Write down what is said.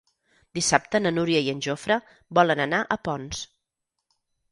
Dissabte na Núria i en Jofre volen anar a Ponts.